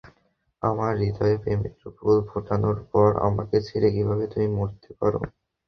আমার হৃদয়ে প্রেমের ফুল ফোটানোর পর, আমাকে ছেড়ে কীভাবে তুমি মরতে পারো?